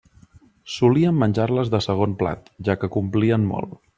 Solíem menjar-les de segon plat, ja que complien molt.